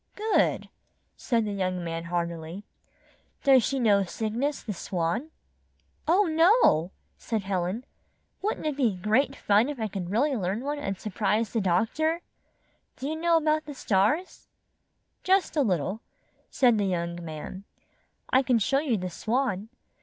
''Good!" said the young man, heartily. "Does she know Cygnus, the Swan?" "Oh, no!" said 'Helen. "Wouldn't it be great fun if I could really learn one and sur prise the doctor! Do you know about the stars?" "Just a little," said the young man. "I can show you the Swan.